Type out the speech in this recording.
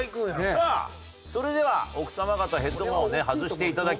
さあそれでは奥さま方ヘッドフォンを外して頂きましょう。